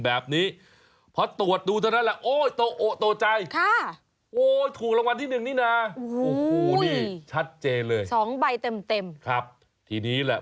๒ใบเต็มครับทีนี้แหละ